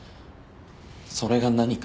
それが何か？